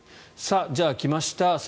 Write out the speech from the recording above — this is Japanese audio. じゃあ、来ました